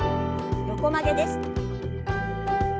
横曲げです。